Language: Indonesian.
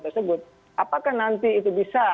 tersebut apakah nanti itu bisa